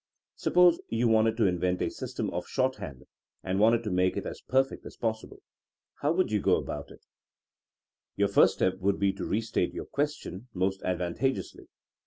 Suppose you wanted to invent a system of shorthand, and wanted to make it as perfect as possible. How would you go about it! Your first step should be to restate your ques tion most advantageously.